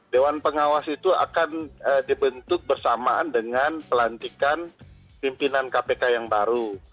dewan pengawas itu akan dibentuk bersamaan dengan pelantikan pimpinan kpk yang baru